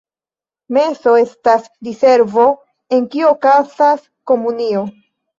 Meso estas diservo, en kiu okazas komunio.